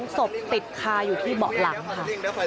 ศพติดคาอยู่ที่เบาะหลังค่ะ